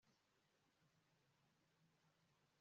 iryo yambwira ryose ripfa kuba atari ribi